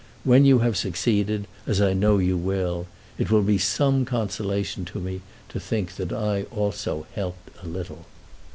When you have succeeded, as I know you will, it will be some consolation to me to think that I also helped a little.